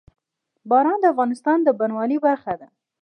باران د افغانستان د بڼوالۍ برخه ده.